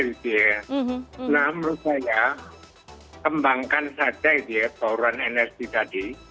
nah menurut saya kembangkan saja dia keurangan energi tadi